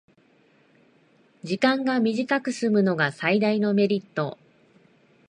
時間が短くすむのが最大のメリット